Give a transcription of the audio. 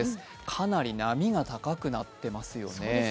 かなり波が高くなっていますよね。